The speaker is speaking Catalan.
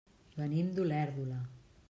Venim d'Olèrdola.